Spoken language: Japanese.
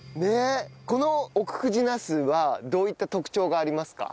この奥久慈なすはどういった特徴がありますか？